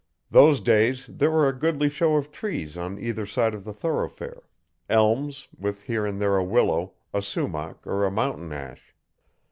Those days there were a goodly show of trees on either side of that thoroughfare elms, with here and there a willow, a sumach or a mountain ash.